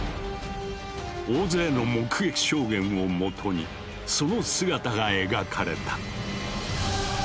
大勢の目撃証言をもとにその姿が描かれた。